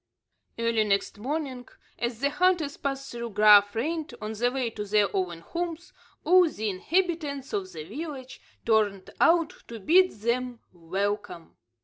Early next morning, as the hunters passed through Graaf Reinet, on the way to their own homes, all the inhabitants of the village turned out to bid them welcome.